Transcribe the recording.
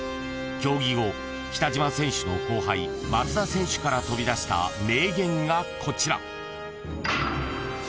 ［競技後北島選手の後輩松田選手から飛び出した名言がこちら］